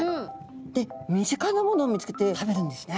で身近なものを見つけて食べるんですね。